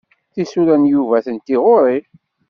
Tisura n Yuba atenti ɣur-i.